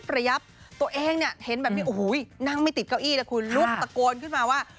ที่ประยับตัวเองเห็นแบบนี้โอ้โหยนั่งไม่ติดเก้าอี้แล้วคุณลุบตะโกนขึ้นมาว่า